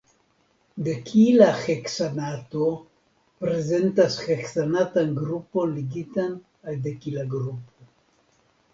Dekila heksanato prezentas heksanatan grupon ligitan al dekila grupo.